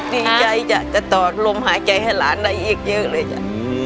ดีใจจ้ะจะต่อลมหายใจให้หลานได้อีกเยอะเลยจ้ะ